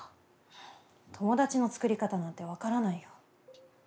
友達のつくり方なんて分からないよ。